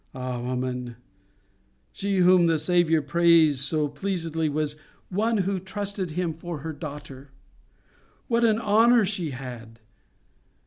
Ah, woman! she whom the Saviour praised so pleasedly, was one who trusted Him for her daughter. What an honour she had!